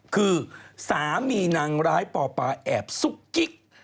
คือสามีนังร้ายป่อป่าแอบสุขิบ